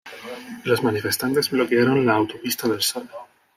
Los manifestantes bloquearon la Autopista del Sol.